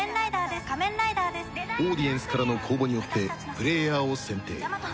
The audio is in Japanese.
オーディエンスからの公募によってプレイヤーを選定